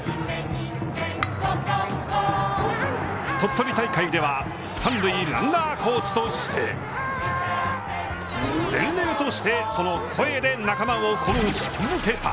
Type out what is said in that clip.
鳥取大会では三塁ランナーコーチとして伝令として、その声で仲間を鼓舞し続けた。